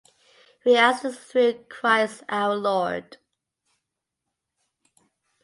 We ask this through Christ our Lord.